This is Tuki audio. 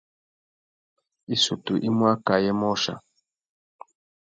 Issutu i mú akā ayê môchia.